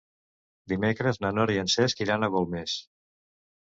Dimecres na Nora i en Cesc iran a Golmés.